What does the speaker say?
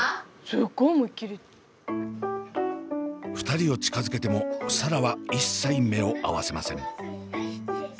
２人を近づけても紗蘭は一切目を合わせません。